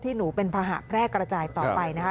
ที่หนูเป็นพะหาแพร่กระจายต่อไป